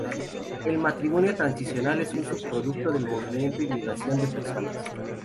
El matrimonio transnacional es un subproducto del movimiento y migración de personas.